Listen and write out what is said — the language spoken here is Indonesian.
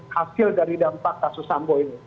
hasil dari dampak kasus sambo ini